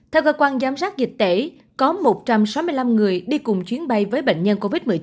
theo cơ quan giám sát dịch tễ có một trăm sáu mươi năm người đi cùng chuyến bay với bệnh nhân covid một mươi chín